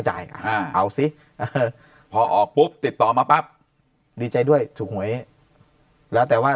เอาสิพอออกปุ๊บติดต่อมาปั๊บดีใจด้วยถูกหวยแล้วแต่ว่า